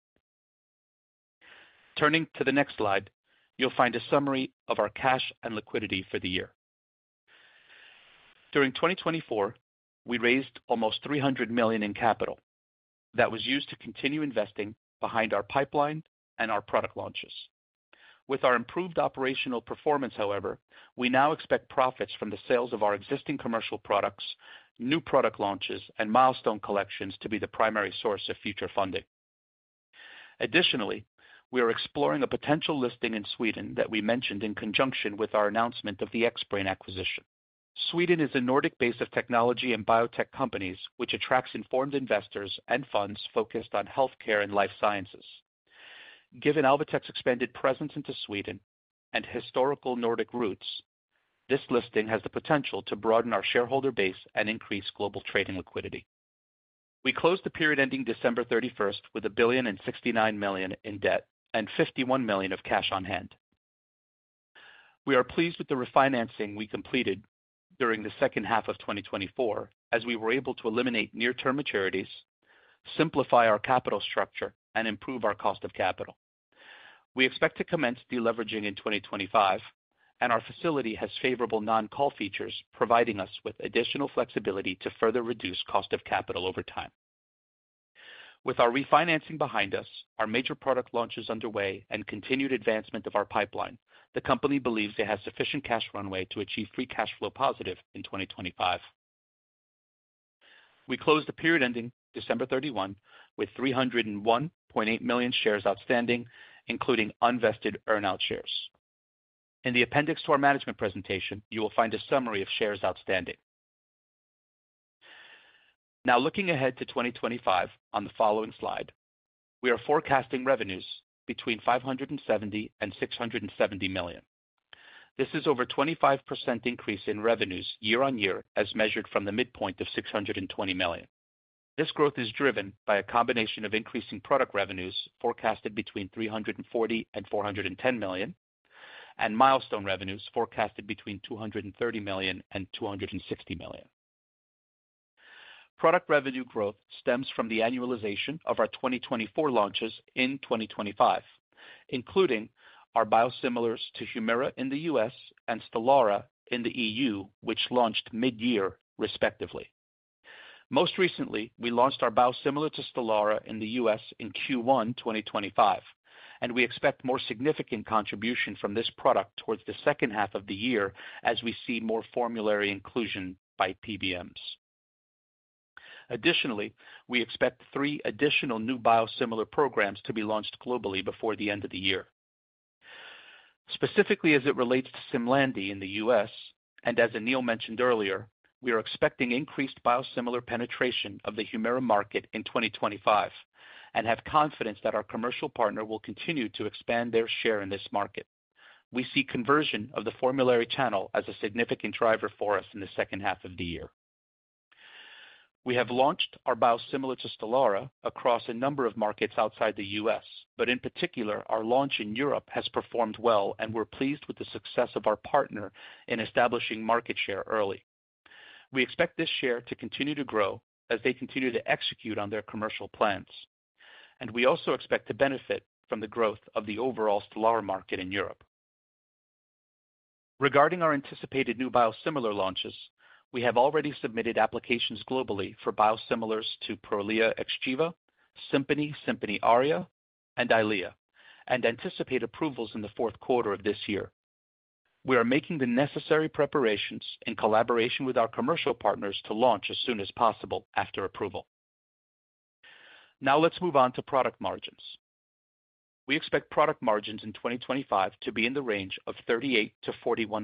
S6: Turning to the next slide, you'll find a summary of our cash and liquidity for the year. During 2024, we raised almost $300 million in capital that was used to continue investing behind our pipeline and our product launches. With our improved operational performance, however, we now expect profits from the sales of our existing commercial products, new product launches, and milestone collections to be the primary source of future funding. Additionally, we are exploring a potential listing in Sweden that we mentioned in conjunction with our announcement of the Xbrane acquisition. Sweden is a Nordic base of technology and biotech companies, which attracts informed investors and funds focused on healthcare and life sciences. Given Alvotech's expanded presence into Sweden and historical Nordic roots, this listing has the potential to broaden our shareholder base and increase global trading liquidity. We closed the period ending December 31 with $1.69 billion in debt and $51 million of cash on hand. We are pleased with the refinancing we completed during the second half of 2024, as we were able to eliminate near-term maturities, simplify our capital structure, and improve our cost of capital. We expect to commence deleveraging in 2025, and our facility has favorable non-call features, providing us with additional flexibility to further reduce cost of capital over time. With our refinancing behind us, our major product launches underway, and continued advancement of our pipeline, the company believes it has sufficient cash runway to achieve free cash flow positive in 2025. We closed the period ending December 31 with $301.8 million shares outstanding, including unvested earn-out shares. In the appendix to our management presentation, you will find a summary of shares outstanding. Now, looking ahead to 2025, on the following slide, we are forecasting revenues between $570 million and $670 million. This is over a 25% increase in revenues year-on-year as measured from the midpoint of $620 million. This growth is driven by a combination of increasing product revenues forecasted between $340 million and $410 million and milestone revenues forecasted between $230 million and $260 million. Product revenue growth stems from the annualization of our 2024 launches in 2025, including our biosimilars to Humira in the U.S. and Stelara in the EU, which launched mid-year, respectively. Most recently, we launched our biosimilar to Stelara in the U.S. in Q1 2025, and we expect more significant contribution from this product towards the second half of the year as we see more formulary inclusion by PBMs. Additionally, we expect three additional new biosimilar programs to be launched globally before the end of the year. Specifically, as it relates to Simlandi in the U.S., and as Anil mentioned earlier, we are expecting increased biosimilar penetration of the Humira market in 2025 and have confidence that our commercial partner will continue to expand their share in this market. We see conversion of the formulary channel as a significant driver for us in the second half of the year. We have launched our biosimilar to Stelara across a number of markets outside the U.S., but in particular, our launch in Europe has performed well, and we're pleased with the success of our partner in establishing market share early. We expect this share to continue to grow as they continue to execute on their commercial plans, and we also expect to benefit from the growth of the overall Stelara market in Europe. Regarding our anticipated new biosimilar launches, we have already submitted applications globally for biosimilars to Prolia, Xgeva, Simponi, Simponi Aria, and Eylea, and anticipate approvals in the fourth quarter of this year. We are making the necessary preparations in collaboration with our commercial partners to launch as soon as possible after approval. Now, let's move on to product margins. We expect product margins in 2025 to be in the range of 38%-41%,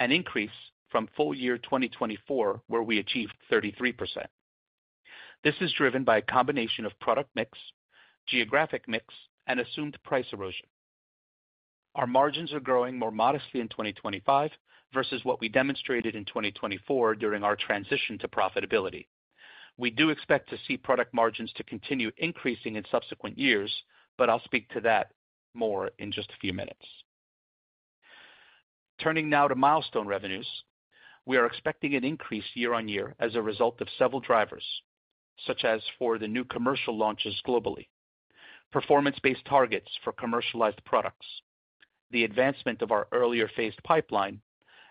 S6: an increase from full year 2024, where we achieved 33%. This is driven by a combination of product mix, geographic mix, and assumed price erosion. Our margins are growing more modestly in 2025 versus what we demonstrated in 2024 during our transition to profitability. We do expect to see product margins to continue increasing in subsequent years, but I'll speak to that more in just a few minutes. Turning now to milestone revenues, we are expecting an increase year-on-year as a result of several drivers, such as for the new commercial launches globally, performance-based targets for commercialized products, the advancement of our earlier phased pipeline,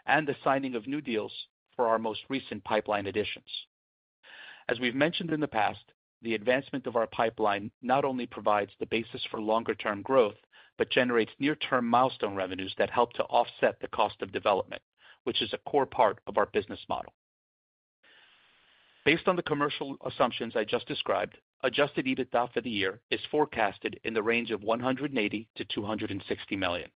S6: and the signing of new deals for our most recent pipeline additions. As we've mentioned in the past, the advancement of our pipeline not only provides the basis for longer-term growth but generates near-term milestone revenues that help to offset the cost of development, which is a core part of our business model. Based on the commercial assumptions I just described, adjusted EBITDA for the year is forecasted in the range of $180-$260 million.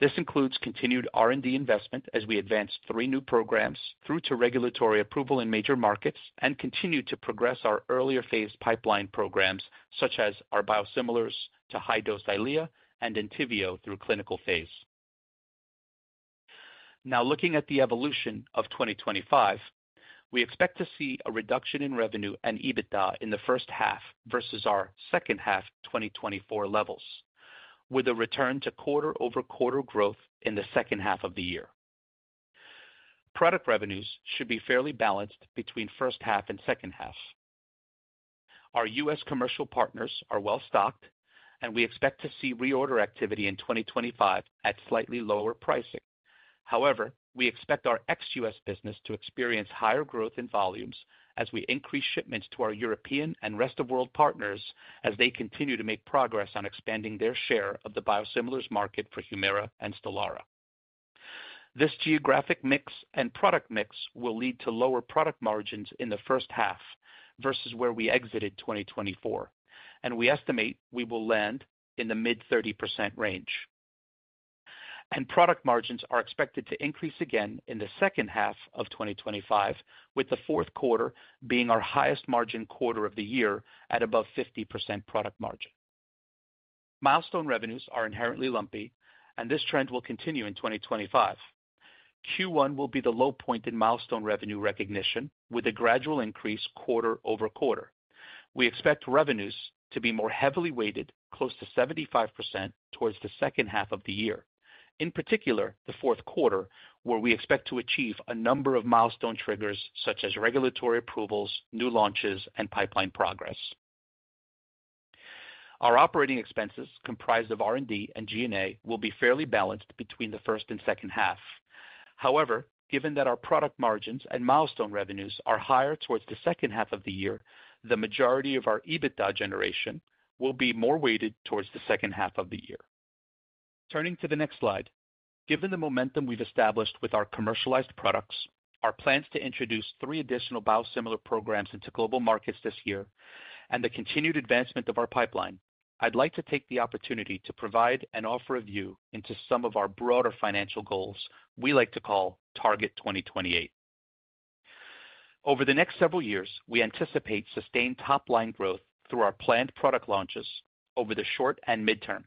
S6: This includes continued R&D investment as we advance three new programs through to regulatory approval in major markets and continue to progress our earlier phase pipeline programs, such as our biosimilars to high-dose Eylea and Entyvio through clinical phase. Now, looking at the evolution of 2025, we expect to see a reduction in revenue and EBITDA in the first half versus our second half 2024 levels, with a return to quarter-over-quarter growth in the second half of the year. Product revenues should be fairly balanced between first half and second half. Our U.S. commercial partners are well stocked, and we expect to see reorder activity in 2025 at slightly lower pricing. However, we expect our ex-U.S. business to experience higher growth in volumes as we increase shipments to our European and rest of world partners as they continue to make progress on expanding their share of the biosimilars market for Humira and Stelara. This geographic mix and product mix will lead to lower product margins in the first half versus where we exited 2024, and we estimate we will land in the mid-30% range. Product margins are expected to increase again in the second half of 2025, with the fourth quarter being our highest margin quarter of the year at above 50% product margin. Milestone revenues are inherently lumpy, and this trend will continue in 2025. Q1 will be the low point in milestone revenue recognition, with a gradual increase quarter-over-quarter. We expect revenues to be more heavily weighted, close to 75%, towards the second half of the year, in particular the fourth quarter, where we expect to achieve a number of milestone triggers such as regulatory approvals, new launches, and pipeline progress. Our operating expenses, comprised of R&D and G&A, will be fairly balanced between the first and second half. However, given that our product margins and milestone revenues are higher towards the second half of the year, the majority of our EBITDA generation will be more weighted towards the second half of the year. Turning to the next slide, given the momentum we've established with our commercialized products, our plans to introduce three additional biosimilar programs into global markets this year, and the continued advancement of our pipeline, I'd like to take the opportunity to provide an overview into some of our broader financial goals we like to call Target 2028. Over the next several years, we anticipate sustained top-line growth through our planned product launches over the short and midterm.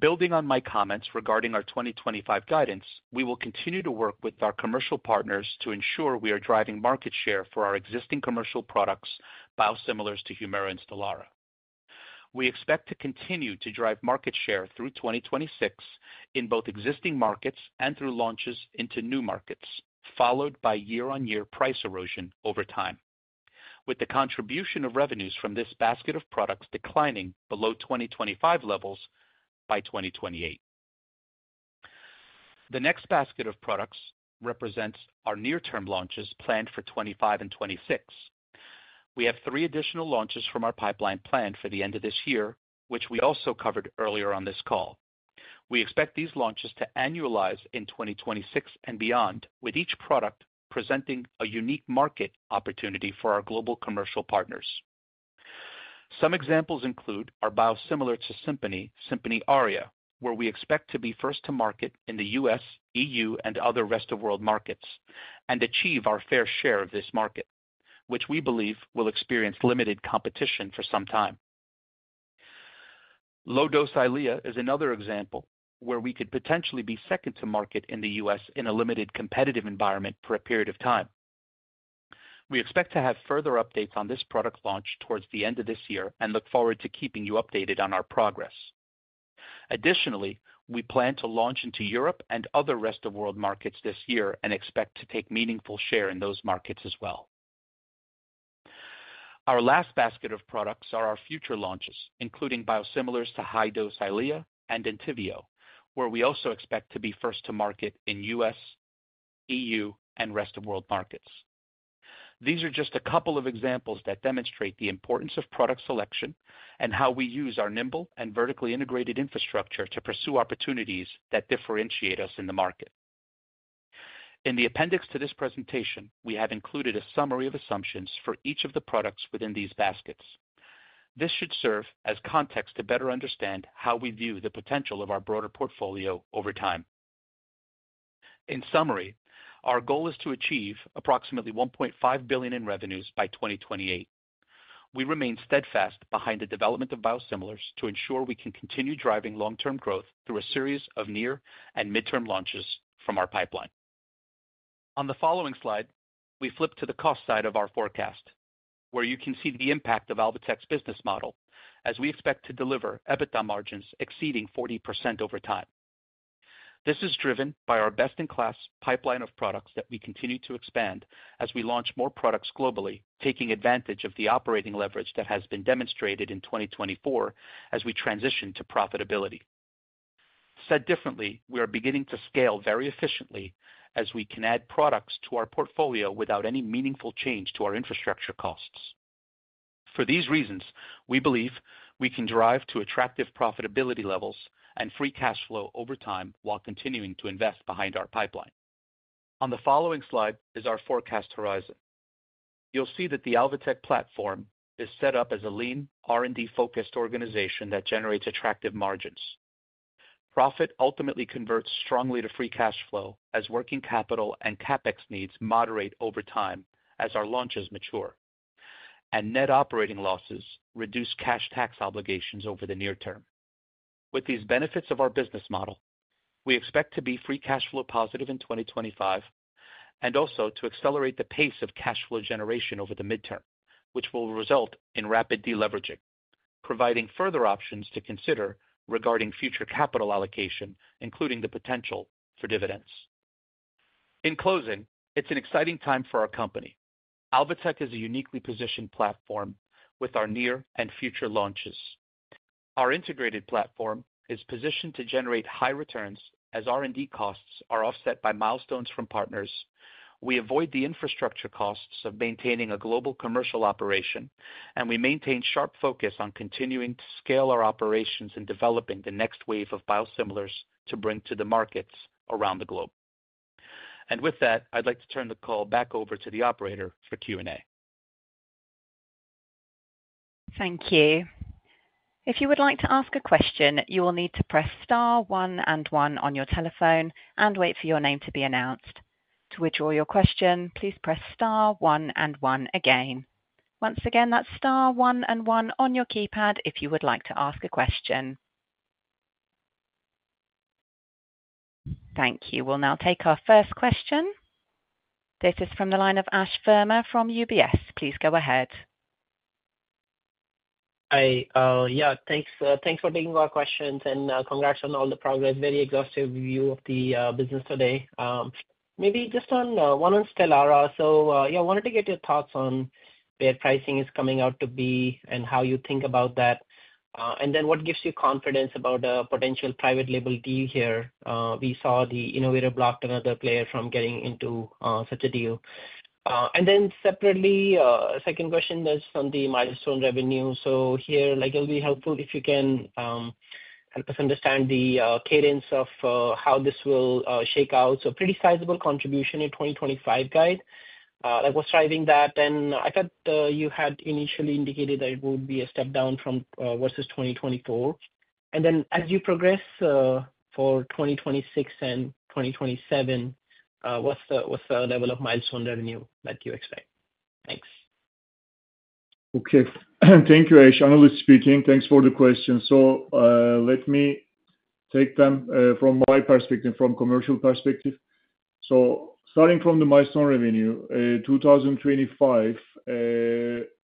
S6: Building on my comments regarding our 2025 guidance, we will continue to work with our commercial partners to ensure we are driving market share for our existing commercial products, biosimilars to Humira and Stelara. We expect to continue to drive market share through 2026 in both existing markets and through launches into new markets, followed by year-on-year price erosion over time, with the contribution of revenues from this basket of products declining below 2025 levels by 2028. The next basket of products represents our near-term launches planned for 2025 and 2026. We have three additional launches from our pipeline planned for the end of this year, which we also covered earlier on this call. We expect these launches to annualize in 2026 and beyond, with each product presenting a unique market opportunity for our global commercial partners. Some examples include our biosimilar to Simponi, Simponi Aria, where we expect to be first to market in the U.S., EU, and other rest of world markets, and achieve our fair share of this market, which we believe will experience limited competition for some time. Low-dose Eylea is another example where we could potentially be second to market in the U.S. in a limited competitive environment for a period of time. We expect to have further updates on this product launch towards the end of this year and look forward to keeping you updated on our progress. Additionally, we plan to launch into Europe and other rest of world markets this year and expect to take meaningful share in those markets as well. Our last basket of products are our future launches, including biosimilars to high-dose Eylea and Entyvio, where we also expect to be first to market in U.S., EU, and rest of world markets. These are just a couple of examples that demonstrate the importance of product selection and how we use our nimble and vertically integrated infrastructure to pursue opportunities that differentiate us in the market. In the appendix to this presentation, we have included a summary of assumptions for each of the products within these baskets. This should serve as context to better understand how we view the potential of our broader portfolio over time. In summary, our goal is to achieve approximately $1.5 billion in revenues by 2028. We remain steadfast behind the development of biosimilars to ensure we can continue driving long-term growth through a series of near and midterm launches from our pipeline. On the following slide, we flip to the cost side of our forecast, where you can see the impact of Alvotech's business model as we expect to deliver EBITDA margins exceeding 40% over time. This is driven by our best-in-class pipeline of products that we continue to expand as we launch more products globally, taking advantage of the operating leverage that has been demonstrated in 2024 as we transition to profitability. Said differently, we are beginning to scale very efficiently as we can add products to our portfolio without any meaningful change to our infrastructure costs. For these reasons, we believe we can drive to attractive profitability levels and free cash flow over time while continuing to invest behind our pipeline. On the following slide is our forecast horizon. You'll see that the Alvotech platform is set up as a lean, R&D-focused organization that generates attractive margins. Profit ultimately converts strongly to free cash flow as working capital and CapEx needs moderate over time as our launches mature, and net operating losses reduce cash tax obligations over the near term. With these benefits of our business model, we expect to be free cash flow positive in 2025 and also to accelerate the pace of cash flow generation over the midterm, which will result in rapid deleveraging, providing further options to consider regarding future capital allocation, including the potential for dividends. In closing, it's an exciting time for our company. Alvotech is a uniquely positioned platform with our near and future launches. Our integrated platform is positioned to generate high returns as R&D costs are offset by milestones from partners. We avoid the infrastructure costs of maintaining a global commercial operation, and we maintain sharp focus on continuing to scale our operations and developing the next wave of biosimilars to bring to the markets around the globe. With that, I'd like to turn the call back over to the operator for Q&A.
S3: Thank you. If you would like to ask a question, you will need to press star one and one on your telephone and wait for your name to be announced. To withdraw your question, please press star one and one again. Once again, that's star one and one on your keypad if you would like to ask a question. Thank you. We'll now take our first question. This is from the line of Ashwani Verma from UBS. Please go ahead.
S7: Hi. Yeah, thanks for taking our questions and congrats on all the progress. Very exhaustive view of the business today. Maybe just on one on Stelara. Yeah, I wanted to get your thoughts on where pricing is coming out to be and how you think about that, and then what gives you confidence about a potential private label deal here? We saw the innovator blocked another player from getting into such a deal. Separately, second question is on the milestone revenue. Here, it'll be helpful if you can help us understand the cadence of how this will shake out. Pretty sizable contribution in 2025, right? What's driving that? I thought you had initially indicated that it would be a step down from versus 2024. As you progress for 2026 and 2027, what's the level of milestone revenue that you expect? Thanks.
S4: Thank you, Ash. Anil speaking. Thanks for the question. Let me take them from my perspective, from commercial perspective. Starting from the milestone revenue, 2025,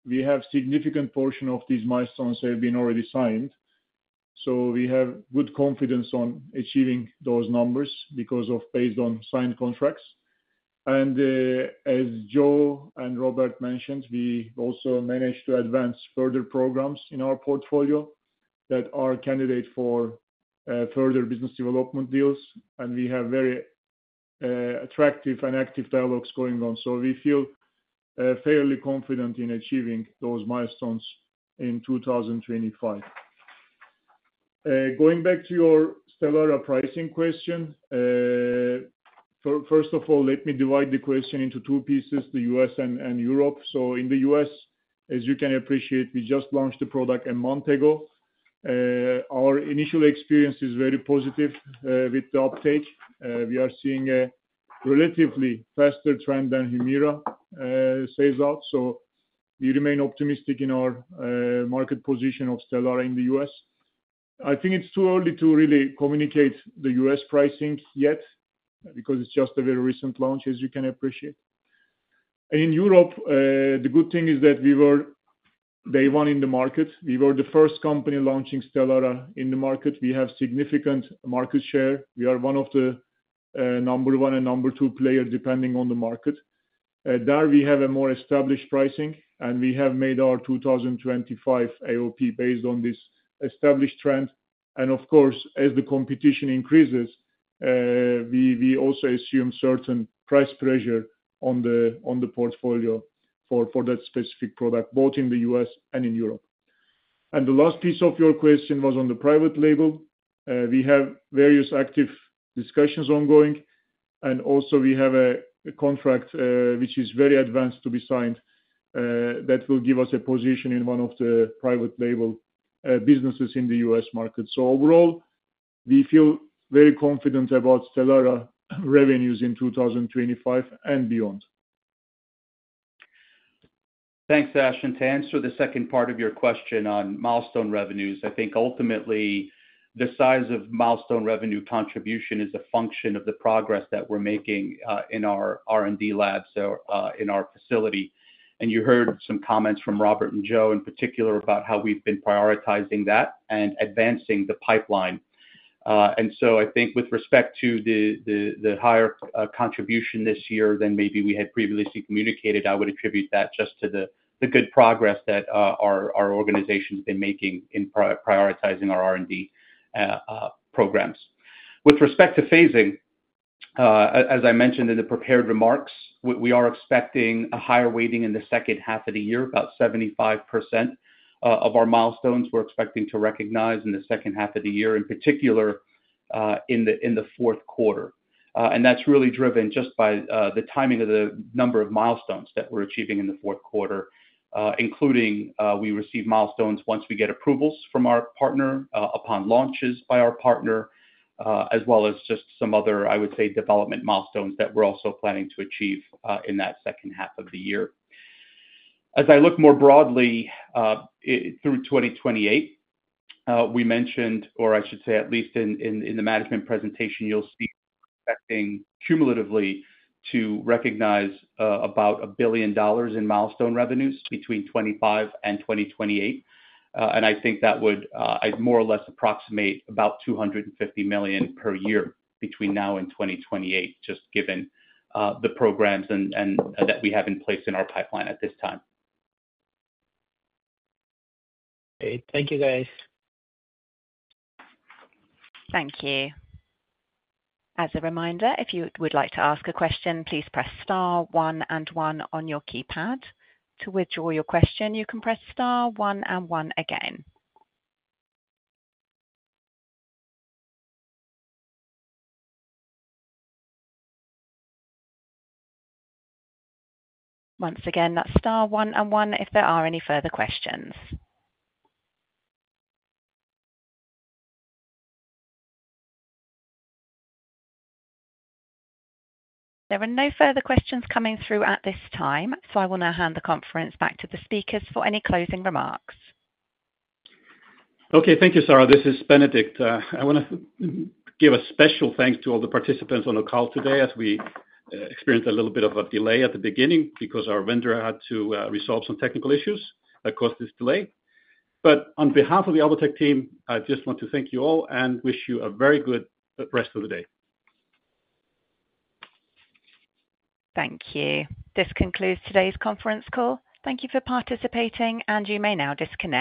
S4: we have a significant portion of these milestones that have been already signed. We have good confidence on achieving those numbers based on signed contracts. As Joe and Robert mentioned, we also managed to advance further programs in our portfolio that are candidates for further business development deals, and we have very attractive and active dialogues going on. We feel fairly confident in achieving those milestones in 2025. Going back to your Stelara pricing question, first of all, let me divide the question into two pieces, the U.S. and Europe. In the U.S., as you can appreciate, we just launched the product a month ago. Our initial experience is very positive with the uptake. We are seeing a relatively faster trend than Humira fades out. We remain optimistic in our market position of Stelara in the U.S.. I think it's too early to really communicate the U.S. pricing yet because it's just a very recent launch, as you can appreciate. In Europe, the good thing is that we were day one in the market. We were the first company launching Stelara in the market. We have significant market share. We are one of the number one and number two players depending on the market. There we have a more established pricing, and we have made our 2025 AOP based on this established trend. Of course, as the competition increases, we also assume certain price pressure on the portfolio for that specific product, both in the U.S. and in Europe. The last piece of your question was on the private label. We have various active discussions ongoing, and also we have a contract which is very advanced to be signed that will give us a position in one of the private label businesses in the U.S. market. Overall, we feel very confident about Stelara revenues in 2025 and beyond.
S5: Thanks, Ash. To answer the second part of your question on milestone revenues, I think ultimately the size of milestone revenue contribution is a function of the progress that we're making in our R&D labs in our facility. You heard some comments from Robert and Joe, in particular, about how we've been prioritizing that and advancing the pipeline. I think with respect to the higher contribution this year than maybe we had previously communicated, I would attribute that just to the good progress that our organization has been making in prioritizing our R&D programs. With respect to phasing, as I mentioned in the prepared remarks, we are expecting a higher weighting in the second half of the year, about 75% of our milestones we're expecting to recognize in the second half of the year, in particular in the fourth quarter. That is really driven just by the timing of the number of milestones that we're achieving in the fourth quarter, including we receive milestones once we get approvals from our partner upon launches by our partner, as well as just some other, I would say, development milestones that we're also planning to achieve in that second half of the year. As I look more broadly through 2028, we mentioned, or I should say at least in the management presentation, you'll see expecting cumulatively to recognize about $1 billion in milestone revenues between 2025 and 2028. I think that would more or less approximate about $250 million per year between now and 2028, just given the programs that we have in place in our pipeline at this time.
S7: Okay. Thank you, guys.
S3: Thank you. As a reminder, if you would like to ask a question, please press star one and one on your keypad. To withdraw your question, you can press star one and one again. Once again, that's star one and one if there are any further questions. There are no further questions coming through at this time, so I will now hand the conference back to the speakers for any closing remarks.
S1: Okay. Thank you, Sarah. This is Benedikt. I want to give a special thanks to all the participants on the call today as we experienced a little bit of a delay at the beginning because our vendor had to resolve some technical issues that caused this delay. On behalf of the Alvotech team, I just want to thank you all and wish you a very good rest of the day.
S3: Thank you. This concludes today's conference call. Thank you for participating, and you may now disconnect.